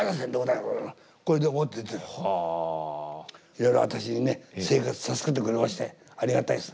いろいろ私にね生活助けてくれましてありがたいです。